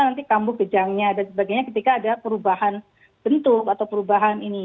nanti kambuh kejangnya dan sebagainya ketika ada perubahan bentuk atau perubahan ini